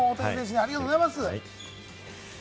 大谷選手、ありがとうございます。